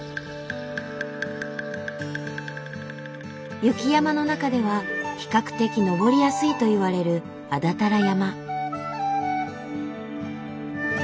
雪山の中では比較的登りやすいといわれる安達太良山。